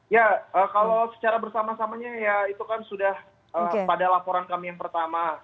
ya kalau secara bersama samanya ya itu kan sudah pada laporan kami yang pertama